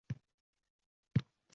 Ering bilan, mayli, yarashki